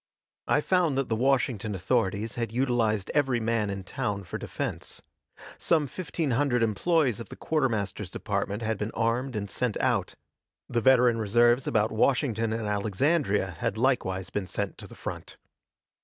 I found that the Washington authorities had utilized every man in town for defense. Some fifteen hundred employees of the quartermaster's department had been armed and sent out; the veteran reserves about Washington and Alexandria had likewise been sent to the front.